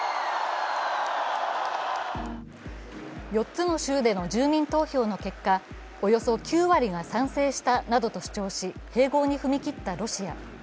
４つの州での住民投票の結果およそ９割が賛成したなど主張し併合に踏み切ったロシア。